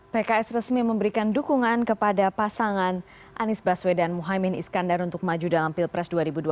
pks resmi memberikan dukungan kepada pasangan anies baswedan muhaymin iskandar untuk maju dalam pilpres dua ribu dua puluh